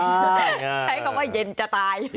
ใช้คำว่าเย็นจะตาย